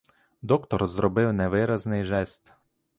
Доктор зробив невиразний жест.